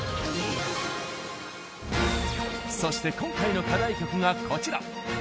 そして今回の課題曲がこちら。